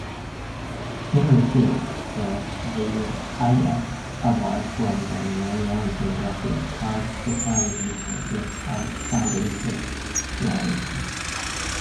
He received the highest award from the Royal Geographical Society for his outstanding heroism.